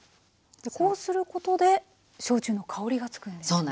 こうすることで焼酎の香りが付くんですね？